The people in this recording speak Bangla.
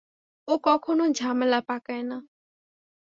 ও কখনো ঝামেলা পাকায় না।